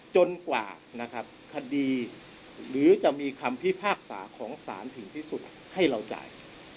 จนกว่านะครับคดีหรือจะมีคำพิพากษาของสารถึงที่สุดให้เราจ่าย